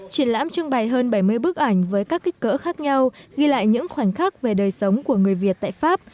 triển lãm trưng bày hơn bảy mươi bức ảnh với các kích cỡ khác nhau ghi lại những khoảnh khắc về đời sống của người việt tại pháp